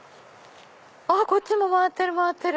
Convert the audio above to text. こっちも回ってる回ってる！